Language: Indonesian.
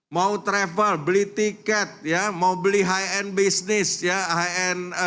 mau travel beli tiket ya mau beli high end business ya high end